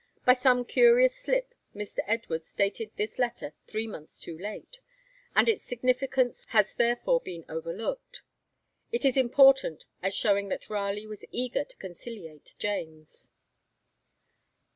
By some curious slip Mr. Edwards dated this letter three months too late, and its significance has therefore been overlooked. It is important as showing that Raleigh was eager to conciliate James.